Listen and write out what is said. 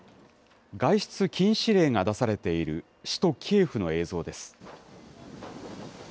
外出禁止令が出されている首都キエフの映像です。